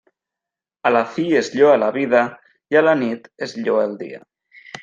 A la fi es lloa la vida, i a la nit es lloa el dia.